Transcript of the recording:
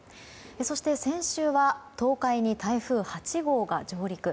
そして、先週は東海に台風８号が上陸。